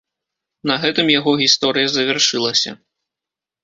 На гэтым яго гісторыя завяршылася.